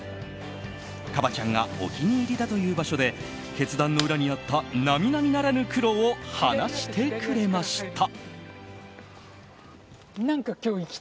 ＫＡＢＡ．ちゃんがお気に入りだという場所で決断の裏にあった並々ならぬ苦労を話してくれました。